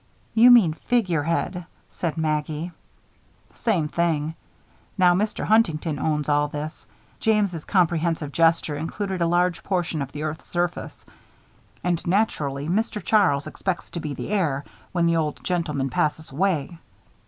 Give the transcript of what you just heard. "You mean figure head," said Maggie. "Same thing. Now, Mr. Huntington owns all this (James's comprehensive gesture included a large portion of the earth's surface), and naturally Mr. Charles expects to be the heir, when the old gentleman passes away.